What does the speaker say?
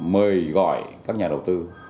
mời gọi các nhà đầu tư